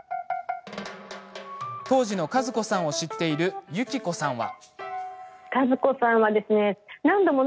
当時の加珠子さんを知っている友紀子さんは。